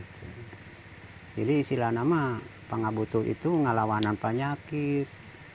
jadi istilah nama pengabutu itu ngelawanan penyakit